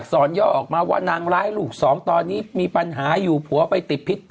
สอนย่อออกมาว่านางร้ายลูกสองตอนนี้มีปัญหาอยู่ผัวไปติดพิษ